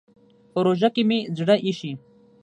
په روژه کې مې زړه اېشي.